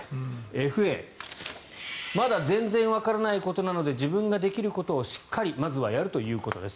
ＦＡまだ全然わからないことなので自分ができることをしっかりまずはやるということです